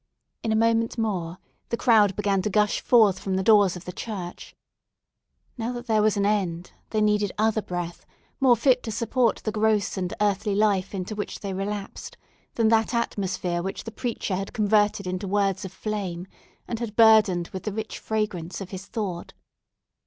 In a moment more the crowd began to gush forth from the doors of the church. Now that there was an end, they needed more breath, more fit to support the gross and earthly life into which they relapsed, than that atmosphere which the preacher had converted into words of flame, and had burdened with the rich fragrance of his thought.